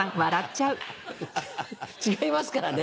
違いますからね。